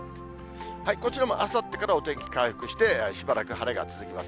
こちらもあさってからお天気回復して、しばらく晴れが続きます。